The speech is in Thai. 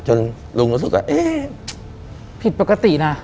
จนลุมสิงห์รู้สึกว่าเอ๊ะพิษปกตินะ